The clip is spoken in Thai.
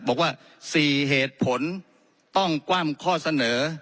บอกว่า๔เหตุผลต้องกว้ามข้อเสนอ